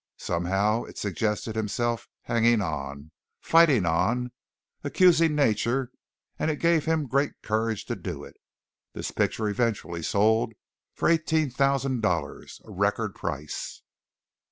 Somehow it suggested himself hanging on, fighting on, accusing nature, and it gave him great courage to do it. This picture eventually sold for eighteen thousand dollars, a record price.